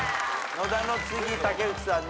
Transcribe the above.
野田の次竹内さんね。